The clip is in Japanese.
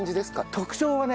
特徴はね